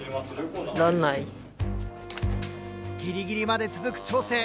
ギリギリまで続く調整。